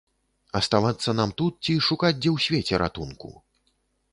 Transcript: Аставацца нам тут ці шукаць дзе ў свеце ратунку?